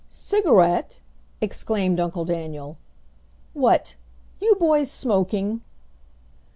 "Cigarette!" exclaimed Uncle Daniel. "What! you boys smoking!"